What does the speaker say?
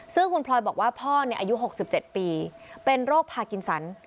ซึ่งคุณพลอยบอกว่าพ่ออายุ๖๗ปีเป็นโรคพากินสัน